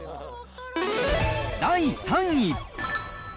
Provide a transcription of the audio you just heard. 第３位。